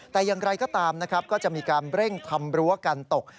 แต่อย่างไรก็ตามนะครับก็จะมีการเร่งทำรั้วกันตก